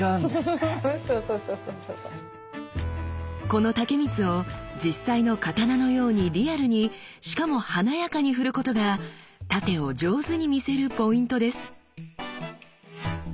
この竹光を実際の刀のようにリアルにしかも華やかに振ることが殺陣を上手に見せるポイントです。